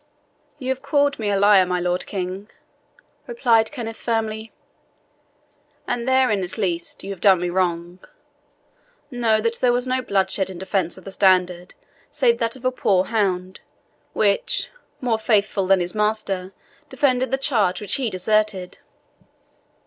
"You have called me liar, my Lord King," replied Kenneth firmly; "and therein, at least, you have done me wrong. Know that there was no blood shed in defence of the Standard save that of a poor hound, which, more faithful than his master, defended the charge which he deserted."